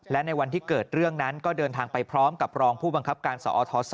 และในวันที่เกิดเรื่องนั้นก็เดินทางไปพร้อมกับรองผู้บังคับการสอท๒